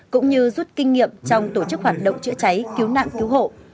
cũng như rút kinh nghiệm trong tổ chức hoạt động chữa cháy cứu nạn cứu hộ